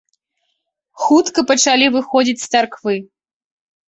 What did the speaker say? Хутка пачалі выходзіць з царквы.